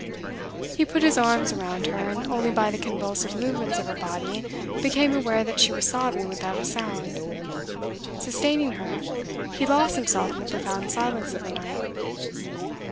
He put his arms around her, and only by the convulsive movements of her body became aware that she was sobbing without a sound. Sustaining her, he lost himself in the profound silence of the night.